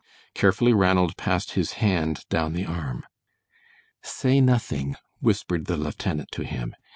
Carefully Ranald passed his hand down the arm. "Say nothing," whispered the lieutenant to him.